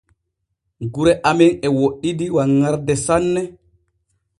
Gure amen e woɗɗidi wanŋarde sanne.